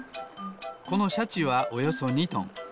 このシャチはおよそ２トン。